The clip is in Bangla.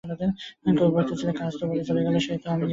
কৈবর্তের ছেলে কায়স্থ বলে চলে গেল, সে তো আমি নিজের চক্ষে দেখেছি।